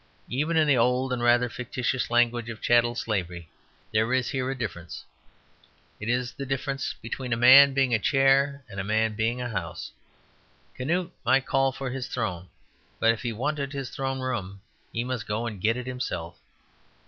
Even in the old and rather fictitious language of chattel slavery, there is here a difference. It is the difference between a man being a chair and a man being a house. Canute might call for his throne; but if he wanted his throne room he must go and get it himself.